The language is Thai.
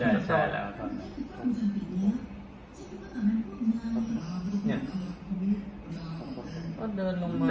เฮ้ยมันหยิบอะไรนอนเหรอ